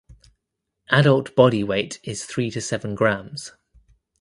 Adult body weight is three to seven grams.